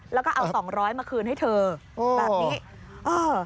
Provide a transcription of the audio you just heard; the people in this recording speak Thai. แล้วก็เอาสองร้อยมาคืนให้เธอแบบนี้เออ